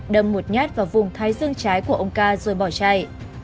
đâm một nhát vào vùng thái dương trái của ông ca rồi bỏ chạy